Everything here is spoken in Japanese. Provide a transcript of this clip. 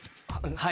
はい。